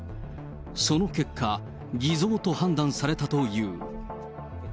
その結果、偽造と判断されたという。